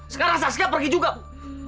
sekarang saska pergi juga bu